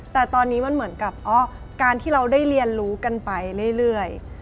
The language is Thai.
แต่ตอนนี้มันเหมือนกับการที่เราได้เรียนรู้กันไปเรื่อย